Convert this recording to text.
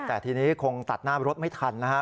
แต่ทีนี้คงตัดหน้ารถไม่ทันนะครับ